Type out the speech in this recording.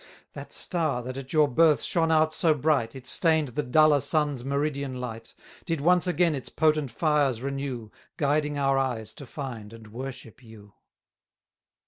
That star that at your birth shone out so bright, It stain'd the duller sun's meridian light, Did once again its potent fires renew, 290 Guiding our eyes to find and worship you.